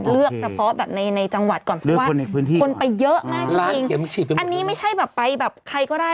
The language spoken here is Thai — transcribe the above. เลือกเฉพาะแบบในในจังหวัดก่อนเพราะว่าคนไปเยอะมากจริงอันนี้ไม่ใช่แบบไปแบบใครก็ได้